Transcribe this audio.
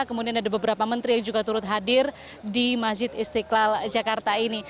kemudian ada beberapa menteri yang juga turut hadir di masjid istiqlal jakarta ini